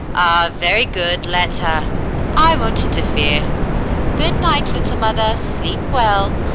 "Ah, very good, let her. I won't interfere. Good night, little mother; sleep well.